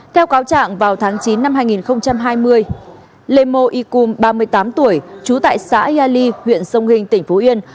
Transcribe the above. theo cáo trạng vào tháng chín năm hai nghìn hai mươi lê mô y cung ba mươi tám tuổi trú tại xã yali huyện sông hình tỉnh phú yên